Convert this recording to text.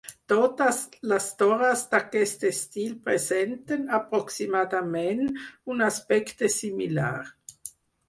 Totes les torres d'aquest estil presenten, aproximadament, un aspecte similar.